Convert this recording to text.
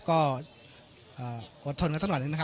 ก็เอ่ออดทนกันสำหรับหนึ่งนะครับ